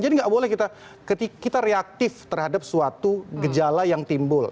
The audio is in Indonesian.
jadi nggak boleh kita reaktif terhadap suatu gejala yang timbul